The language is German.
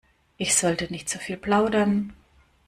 Ich sollte nicht so viel plaudern.